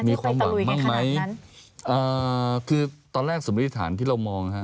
มีความหวังบ้างไหมเอ่อคือตอนแรกสมมุติฐานที่เรามองนะฮะ